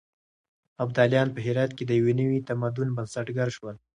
ابداليان په هرات کې د يو نوي تمدن بنسټګر شول.